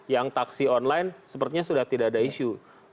yang taksi online sepertinya sudah tidak ada isu